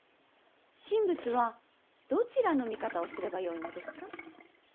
神仏はどちらの味方をすればよいのですか。